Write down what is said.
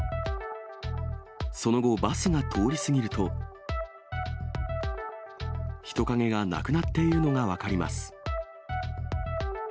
その後、バスが通り過ぎると、人影がなくなっているのが分かります。